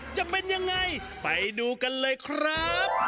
จะเป็นยังไงไปดูกันเลยครับ